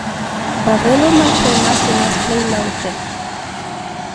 Barelo malplena sonas plej laŭte.